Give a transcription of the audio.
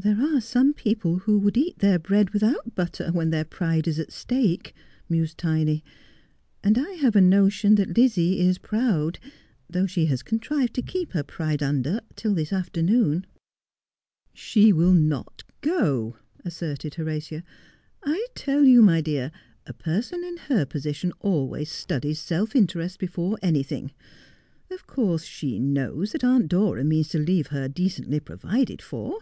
' There are some people who would eat their bread without butter when their pride is at stake,' mused Tiny, 'and I have a notion that Lizzie is proud, though she lias contrived to keep her pride under till this afternoon. 302 Just as I Am. ' She will not go,' asserted Horatia. 'I tell you, my dear, a person in her position always studies self interest before any thing. Of course she knows that Aunt Dora means to leave her decently provided for.